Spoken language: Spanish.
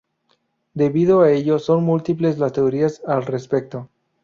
Debido a ello son múltiples las teorías al respecto.